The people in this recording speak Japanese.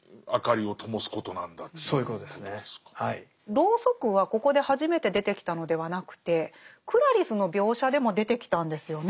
ロウソクはここで初めて出てきたのではなくてクラリスの描写でも出てきたんですよね。